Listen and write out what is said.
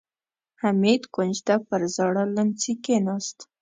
حميد کونج ته پر زاړه ليمڅي کېناست.